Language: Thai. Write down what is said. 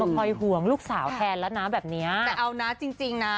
คอยห่วงลูกสาวแทนแล้วนะแบบเนี้ยแต่เอานะจริงจริงนะ